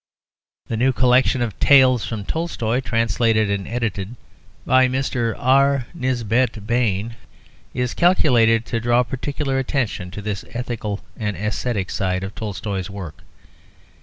The new collection of "Tales from Tolstoy," translated and edited by Mr. R. Nisbet Bain, is calculated to draw particular attention to this ethical and ascetic side of Tolstoy's work.